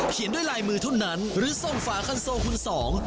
ด้วยลายมือเท่านั้นหรือส่งฝาคันโซคุณสอง